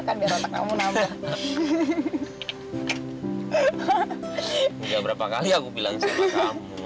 lila lila kamu tenang kamu tenang